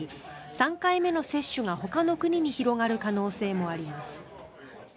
３回目の接種がほかの国に広がる可能性もあります。